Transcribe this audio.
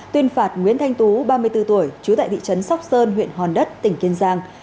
tuyên phạt nguyễn thanh tú ba mươi bốn tuổi chú tại thị trấn sóc sơn huyện hòn đất tỉnh kiên giang